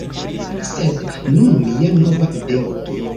Sed, nun mia nova ideo